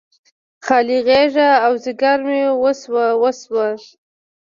خالي غیږه او ځیګر مې وسوه، وسوه